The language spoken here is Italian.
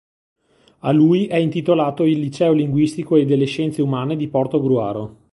A lui è intitolato il Liceo Linguistico e delle Scienze Umane di Portogruaro.